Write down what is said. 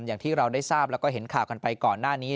อย่างที่เราได้ทราบแล้วก็เห็นข่าวกันไปก่อนหน้านี้